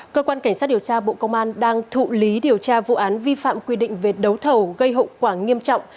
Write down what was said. cơ quan cảnh sát điều tra bộ công an đang thụ lý điều tra vụ án vi phạm quy định về đấu thầu gây hậu quả nghiêm trọng